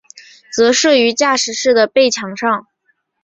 则设于驾驶室的背墙上。